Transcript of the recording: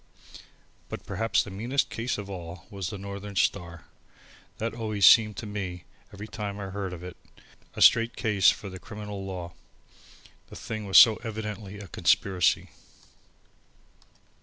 But perhaps the meanest case of all was the Northern Star. That always seemed to me, every time I heard of it, a straight case for the criminal law. The thing was so evidently a conspiracy.